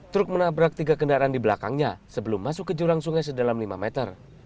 truk menabrak tiga kendaraan di belakangnya sebelum masuk ke jurang sungai sedalam lima meter